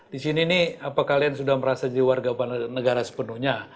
di sini nih apa kalian sudah merasa jadi warga negara sepenuhnya